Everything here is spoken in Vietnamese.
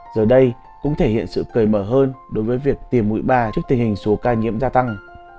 giờ đây cũng thể hiện sự cởi mở hơn đối với việc tìm mũi ba trước tình hình số ca nhiễm gia tăng